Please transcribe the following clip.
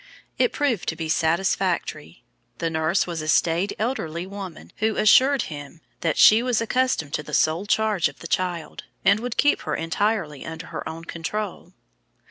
It proved to be satisfactory. The nurse was a staid, elderly woman, who assured him she was accustomed to the sole charge of the child, and would keep her entirely under her own control.